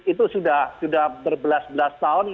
itu sudah berbelas belas tahun